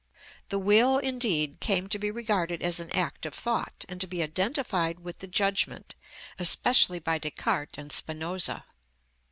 The will indeed came to be regarded as an act of thought, and to be identified with the judgment, especially by Descartes and Spinoza.